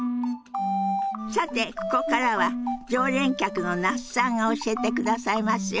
さてここからは常連客の那須さんが教えてくださいますよ。